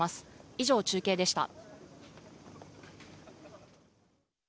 以上、中継でした。